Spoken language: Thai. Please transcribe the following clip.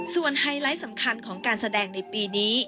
ส่วนไฮไลท์สำคัญของการแสดงในปีนี้